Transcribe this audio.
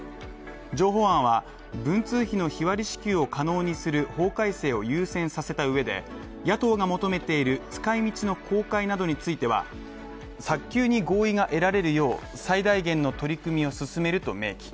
譲歩案は、文通費の日割り支給を可能にする法改正を優先させた上で、野党が求めている使い道の公開などについては早急に合意が得られるよう最大限の取り組みを進めると明記。